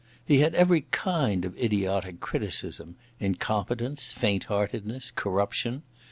He had every kind of idiotic criticism—incompetence, faint heartedness, corruption.